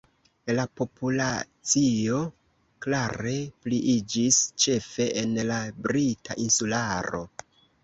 La populacio klare pliiĝis ĉefe en la Brita Insularo.